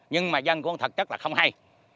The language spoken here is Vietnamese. nhưng mà dân cũng thật chất là không hay